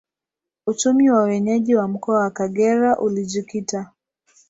Uchumi wa wenyeji wa mkoa wa Kagera ulijikita